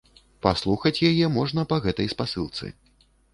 Паслухаць яе можна па гэтай спасылцы.